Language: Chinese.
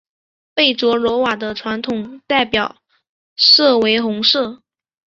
贝卓罗瓦的传统代表色为红色。